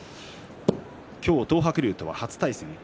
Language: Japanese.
今日、東白龍とは初対戦です。